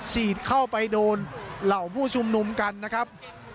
ฉีดเข้าไปโดนเหล่าผู้ชุมนุมกันนะครับ